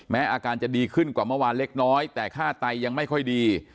อาการจะดีขึ้นกว่าเมื่อวานเล็กน้อยแต่ค่าไตยังไม่ค่อยดี